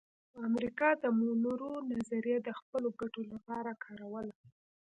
امریکا د مونرو نظریه د خپلو ګټو لپاره کاروله